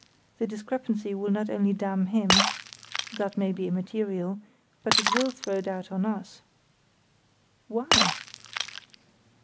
The discrepancy will not only damn him (that may be immaterial), but it will throw doubt on us." "Why?"